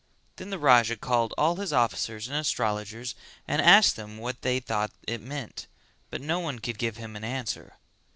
Then the Raja called all his officers and astrologers and asked them what they thought it meant: but no one could give him any answer.